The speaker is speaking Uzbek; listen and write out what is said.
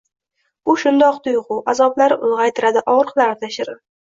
Bu shundoq tuygʻu — azoblari ulgʻaytiradi, ogʻriqlari-da shirin...